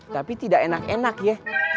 tapi tidak enak enak ya